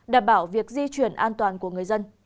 đảm bảo việc di chuyển an toàn của người dân